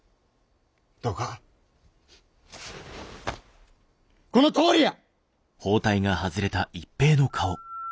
どうかこのとおりや！